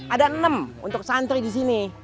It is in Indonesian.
ada enam untuk santri di sini